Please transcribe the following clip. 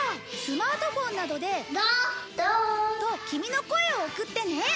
スマートフォンなどで。とキミの声を送ってね。